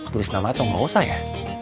tulis nama tuh nggak usah ya